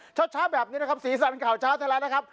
เช้าแบบนี้นะครับสีสันข่าวเช้าไทยรัฐนะครับ